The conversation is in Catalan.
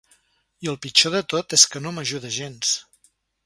I el pitjor de tot és que no m'ajuda gens.